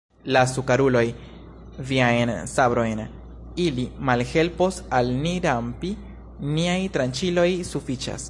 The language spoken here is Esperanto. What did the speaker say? Lasu, karuloj, viajn sabrojn, ili malhelpos al ni rampi, niaj tranĉiloj sufiĉas.